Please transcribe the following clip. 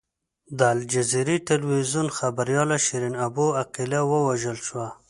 د الجزیرې ټلویزیون خبریاله شیرین ابو عقیله ووژل شوه.